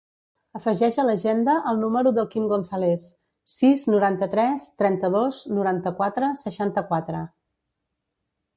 Afegeix a l'agenda el número del Quim Gonzalez: sis, noranta-tres, trenta-dos, noranta-quatre, seixanta-quatre.